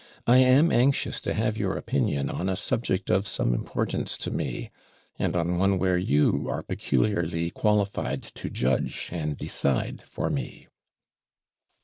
I am anxious to have your opinion on a subject of some importance to me, and on one where you are peculiarly qualified to judge and decide for me.'